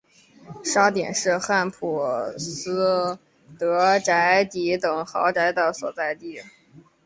沙点是汉普斯德宅邸等豪宅的所在地。